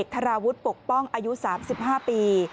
๑๑ทาราวุธปกป้องอายุ๓๕ปี